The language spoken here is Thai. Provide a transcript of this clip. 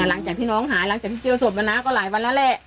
หลังจากที่น้องหายหลังจากที่เจอศพมาน้าก็หลายวันแล้วแหละ